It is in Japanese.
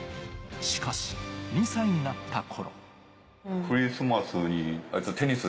しかし２歳になった頃。